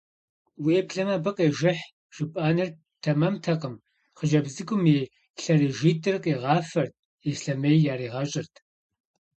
Уеблэмэ, абы къежыхь жыпӀэныр тэмэмтэкъым: хъыджэбз цӀыкӀум и лъэрыжитӀыр къигъафэрт, ислъэмей яригъэщӀырт.